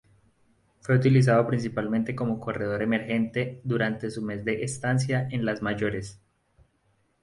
Fue utilizado principalmente como corredor emergente durante su mes de estancia en las mayores.